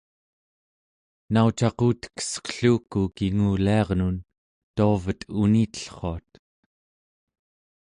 naucaqutekesqelluku kinguliarnun tuavet unitellruat